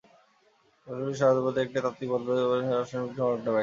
সর্বাধিক সাধারণ অর্থে, এটি তাত্ত্বিক পদার্থবিদ্যা পদ্ধতির দ্বারা রাসায়নিক ঘটনা ব্যাখ্যা।